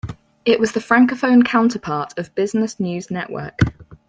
It was the francophone counterpart of Business News Network.